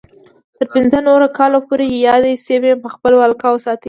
تر پینځه نوي کال پورې یادې سیمې په خپل ولکه کې وساتلې.